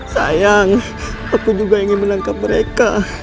sayang aku juga ingin menangkap mereka